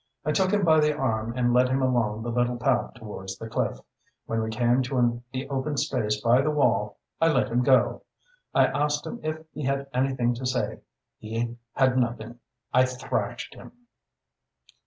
I took him by the arm and I led him along the little path towards the cliff. When we came to the open space by the wall, I let him go. I asked him if he had anything to say. He had nothing. I thrashed him."